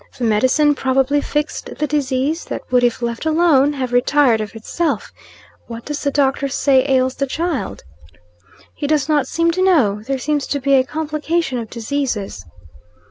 "The medicine probably fixed the disease, that would, if left alone, have retired of itself. What does the doctor say ails the child?" "He does not seem to know. There seems to be a complication of diseases."